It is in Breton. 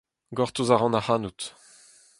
Gortoz a ran ac'hanout.